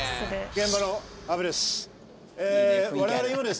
現場の阿部です。